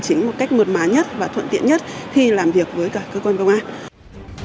chính một cách mượt má nhất và thuận tiện nhất khi làm việc với cả cơ quan công an